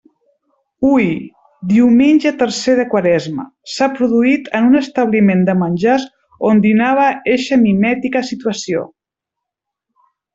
Hui, diumenge tercer de Quaresma, s'ha produït en un establiment de menjars on dinava eixa mimètica situació.